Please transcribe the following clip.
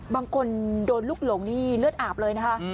บางคนโดนลุกหลงนี่เลือดอาบเลยนะคะ